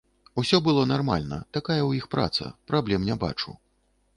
Усё было нармальна, такая ў іх праца, праблем не бачу.